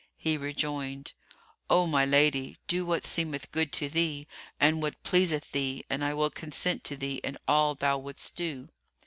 He rejoined, "O my lady, do what seemeth good to thee and what pleaseth thee and I will consent to thee in all thou wouldst do."